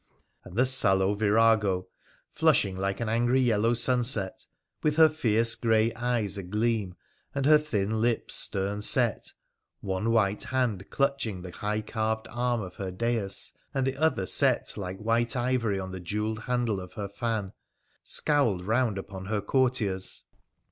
And the sallow virago, flush ing like an angry yellow sunset, with her fierce grey eyes agleam, and her thin lips stern set, one white hand clutching the high carved arm of her dais, and the other set like white ivory on the jewelled handle of her fan, scowled round upon her courtiers.